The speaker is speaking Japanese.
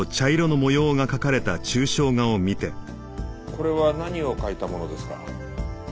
これは何を描いたものですか？